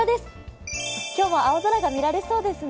今日は青空が見られそうですね。